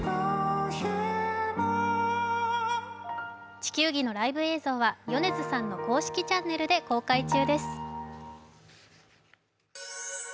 「地球儀」のライブ映像は米津さんの公式チャンネルで公開中です。